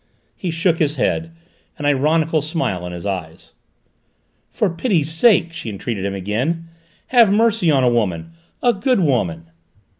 He shook his head, an ironical smile in his eyes. "For pity's sake," she entreated him again, "have mercy on a woman a good woman!"